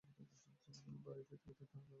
বাড়ি ফিরতে-ফিরতে তাঁর এগারটা বেজে গেল।